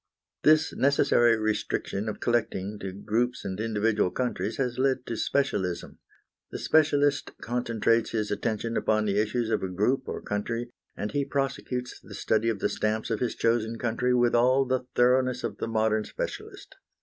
This necessary restriction of collecting to groups and individual countries has led to specialism. The specialist concentrates his attention upon the issues of a group or country, and he prosecutes the study of the stamps of his chosen country with all the thoroughness of the modern specialist.